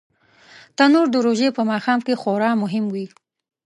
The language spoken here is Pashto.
تنور د روژې په ماښام کې خورا مهم وي